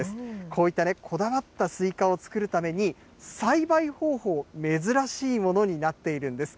こういったこだわったスイカを作るために、栽培方法、珍しいものになっているんです。